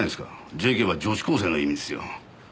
ＪＫは女子高生の意味ですよ。